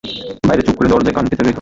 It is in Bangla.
বাইরে চুপ করে দরজায় কান পেতে রইল।